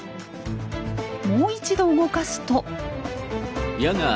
もう一度動かすと。